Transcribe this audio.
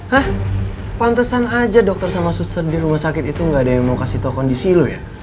hah pantesan aja dokter sama suster di rumah sakit itu gak ada yang mau kasih tahu kondisi lu ya